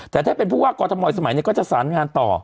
แต่ถ้าเป็นผู้ว่ากอทมสมัยนี้ก็จะสารงานต่อ